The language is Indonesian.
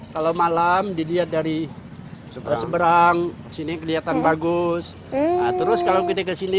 kalau malam dilihat dari seberang sini kelihatan bagus terus kalau kita ke sini